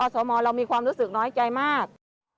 สมเรามีความรู้สึกน้อยใจมาก